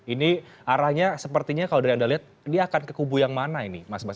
ini arahnya sepertinya kalau dari anda lihat dia akan ke kubu yang mana ini mas bas